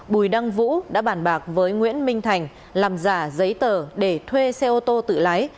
bùi đăng vũ đã bàn bạc với nguyễn minh thành làm giả giấy tờ để thuê xe ô tô tự lái